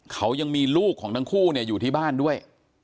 เขายังมีลูกของทั้งคู่อยู่ที่บ้านด้วย